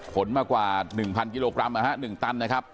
ผลมากว่าหนึ่งพันกิโลกรัมนะฮะหนึ่งตันนะครับ